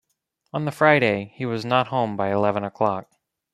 On the Friday, he was not home by eleven o’clock.